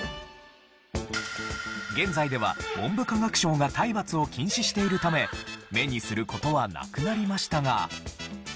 現在では文部科学省が体罰を禁止しているため目にする事はなくなりましたが。